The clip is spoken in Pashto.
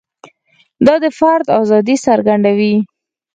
دا د فرد ازادي څرګندوي.